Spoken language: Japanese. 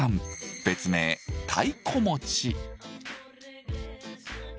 別名「太鼓持ち」。